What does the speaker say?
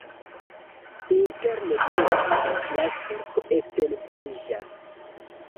Interne meze la ĉerko etendiĝas.